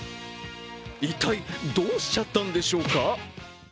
一体、どうしちゃったんでしょうか